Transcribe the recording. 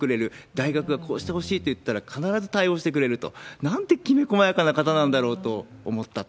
大学がこうしてほしいと言ったら、必ず対応してくれると、なんてきめこまやかな方なんだろうと思ったと。